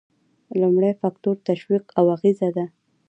لومړی فکتور تشویق او اغیزه ده.